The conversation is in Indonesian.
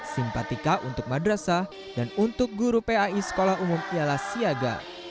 simpatika untuk madrasah dan untuk guru pai sekolah umum ialah siaga